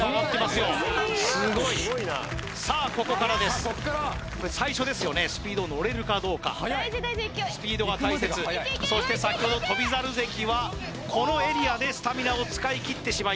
すごいさあここからです最初ですよねスピードのれるかどうかスピードが大切そして先ほど翔猿関はこのエリアでスタミナを使い切ってしまいました